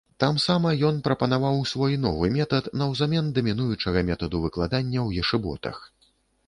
Тамсама ён прапанаваў свой новы метад наўзамен дамінуючага метаду выкладання ў ешыботах.